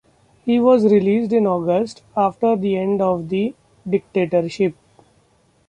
He was released in August, after the end of the dictatorship.